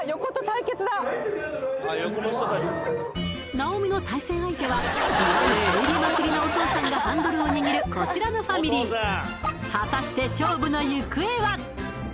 直美の対戦相手は気合入りまくりなお父さんがハンドルを握るこちらのファミリー果たして勝負の行方は？